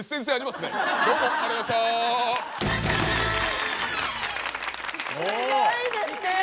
すギョいですね！